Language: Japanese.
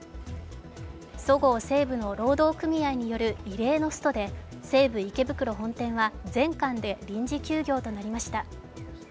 そごう・西武の労働組合による異例のストで西武池袋本店は全館で臨時休業となりました。